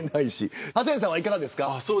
ハセンさんは、いかがですか。